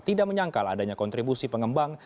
tidak menyangkal adanya kontribusi pengembang